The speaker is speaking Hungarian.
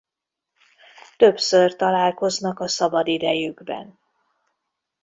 Többször találkoznak a szabadidejükben.